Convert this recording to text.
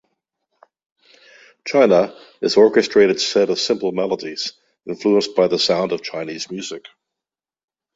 "China" is orchestrated set of simple melodies influenced by the sound of Chinese music.